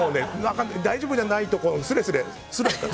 大丈夫じゃないところすれすれで。